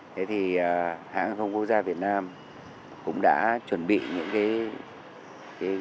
thế thì hãng hàng không quốc gia việt nam cũng đã chuẩn bị những cái